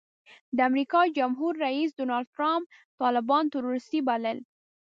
د امریکا جمهور رئیس ډانلډ ټرمپ طالبان ټروریسټي بلل.